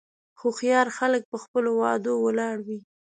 هوښیار خلک په خپلو وعدو ولاړ وي.